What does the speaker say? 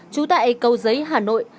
chú tại cầu giấy hà nội